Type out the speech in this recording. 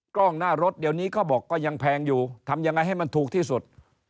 กล้องหน้ารถเดี๋ยวนี้เขาบอกก็ยังแพงอยู่ทำยังไงให้มันถูกที่สุด